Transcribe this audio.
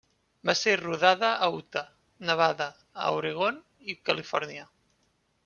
Va ser rodada a Utah, Nevada, a Oregon i Califòrnia.